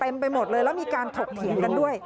ไปหมดเลยแล้วมีการถกเถียงกันด้วย